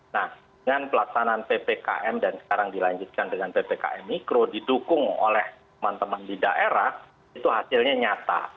nah dengan pelaksanaan ppkm dan sekarang dilanjutkan dengan ppkm mikro didukung oleh teman teman di daerah itu hasilnya nyata